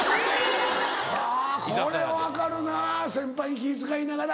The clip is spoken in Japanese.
はぁこれは分かるな先輩に気ぃ使いながら。